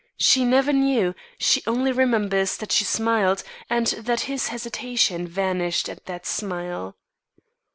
She never knew; she only remembers that she smiled, and that his hesitation vanished at that smile.